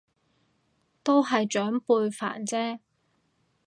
都係長輩煩啫